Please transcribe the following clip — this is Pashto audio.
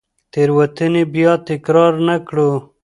تېروتنې بیا تکرار نه کړو.